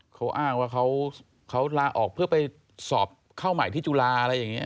เขาอ้างว่าเขาลาออกเพื่อไปสอบเข้าใหม่ที่จุฬาอะไรอย่างนี้